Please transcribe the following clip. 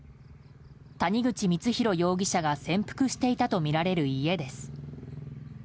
谷口光弘容疑者が潜伏していたとみられる家です。